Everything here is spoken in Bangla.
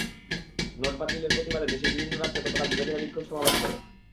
নোট বাতিলের প্রতিবাদে দেশের বিভিন্ন রাজ্যে গতকাল বিরোধীরা বিক্ষোভ সমাবেশ করে।